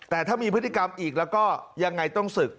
แต่ถ้ามีพฤติกรรมอีกแล้วก็ยังไงต้องศึก